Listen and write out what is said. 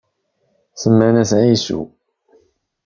Semman-as Ɛisu.